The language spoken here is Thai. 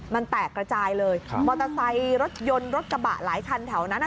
มันแตกระจายเลยมอเตอร์ไซค์รถยนต์รถกระบะหลายคันแถวนั้นอ่ะ